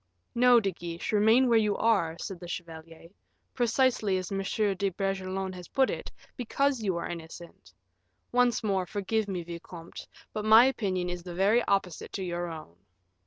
"No, De Guiche, remain where you are," said the chevalier; "precisely as M. de Bragelonne has put it, because you are innocent. Once more, forgive me, vicomte; but my opinion is the very opposite to your own."